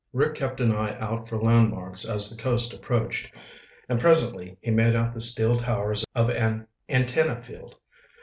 Rick kept an eye out for landmarks as the coast approached and presently he made out the steel towers of an antenna field.